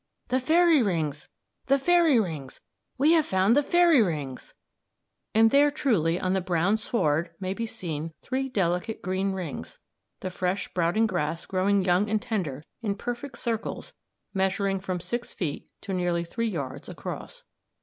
"The fairy rings! the fairy rings! we have found the fairy rings!" and there truly on the brown sward might be seen three delicate green rings, the fresh sprouting grass growing young and tender in perfect circles measuring from six feet to nearly three yards across.